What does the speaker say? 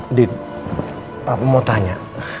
ndit papa mau tanya